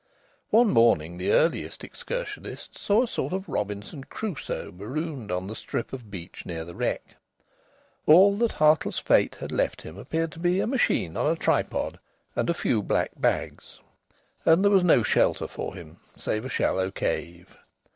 One morning the earliest excursionists saw a sort of Robinson Crusoe marooned on the strip of beach near the wreck. All that heartless fate had left him appeared to be a machine on a tripod and a few black bags. And there was no shelter for him save a shallow cave.